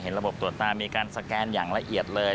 ระบบตรวจตามีการสแกนอย่างละเอียดเลย